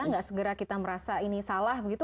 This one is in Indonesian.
nggak segera kita merasa ini salah begitu